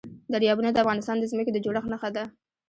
دریابونه د افغانستان د ځمکې د جوړښت نښه ده.